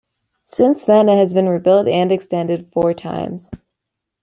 Since then it has been rebuilt and extended four times.